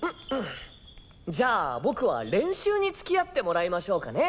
じゃあ僕は練習に付き合ってもらいましょうかね。